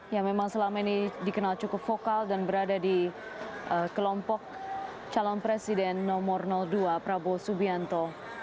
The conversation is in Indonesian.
yang memang selama ini dikenal cukup vokal dan berada di kelompok calon presiden nomor dua prabowo subianto